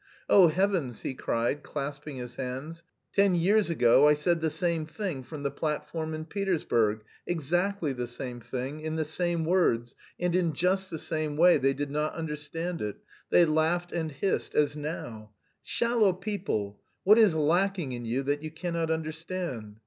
Oh, heavens!" he cried, clasping his hands, "ten years ago I said the same thing from the platform in Petersburg, exactly the same thing, in the same words, and in just the same way they did not understand it, they laughed and hissed as now; shallow people, what is lacking in you that you cannot understand?